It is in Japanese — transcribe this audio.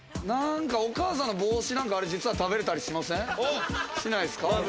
何かお母さんの帽子、なんか実は食べられたりしませんか？